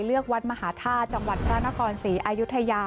เลือกวัดมหาธาตุจังหวัดพระนครศรีอายุทยา